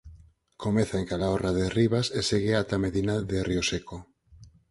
Comeza en Calahorra de Ribas e segue ata Medina de Rioseco.